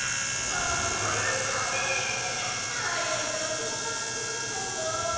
あらいだしたらとまらなくなっちゃった。